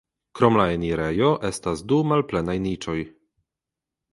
Krom la enirejo estas du malplenaj niĉoj.